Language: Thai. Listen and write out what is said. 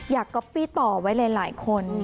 อยากก็พี่ต่อไว้หลายคน